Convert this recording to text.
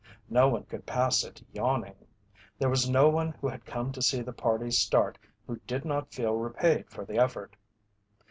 No one could pass it yawning. There was no one who had come to see the party start who did not feel repaid for the effort.